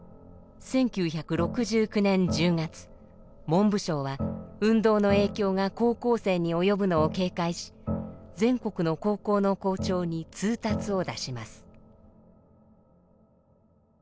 文部省は運動の影響が高校生に及ぶのを警戒し全国の高校の校長に通達を出します。